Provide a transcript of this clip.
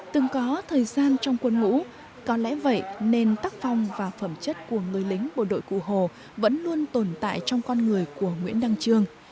từng có thời gian trong quân ngũ có lẽ vậy nên tắc phong và phẩm chất của người lính bộ đội cụ hồ vẫn luôn tồn tại trong con người của nguyễn đăng trương